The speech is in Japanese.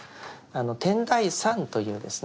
天台山というですね